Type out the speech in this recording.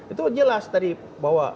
itu jelas tadi bahwa